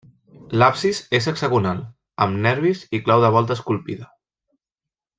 L'absis és hexagonal, amb nervis i clau de volta esculpida.